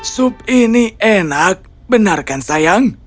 sup ini enak benar kan sayang